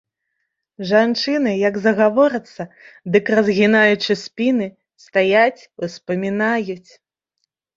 Жанчыны як загаворацца, дык, разгінаючы спіны, стаяць, успамінаюць.